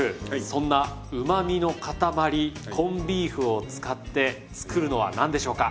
そんなうまみのかたまりコンビーフを使って作るのは何でしょうか？